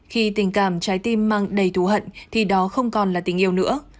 khi tình cảm trái tim mang đầy thú hận thì đó không còn là tình yêu nữa